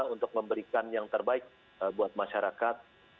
untuk memberikan yang terbaik buat masyarakat